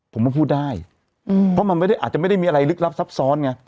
ผมไม่พูดได้เพราะมันอาจจะไม่ได้มีอะไรลึกลับซับซ้อน